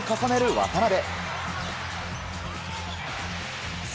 渡邊。